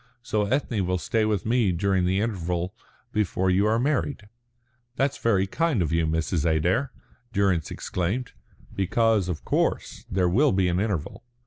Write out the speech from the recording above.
So Ethne will stay with me during the interval before you are married." "That's very kind of you, Mrs. Adair," Durrance exclaimed; "because, of course, there will be an interval."